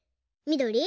みどり？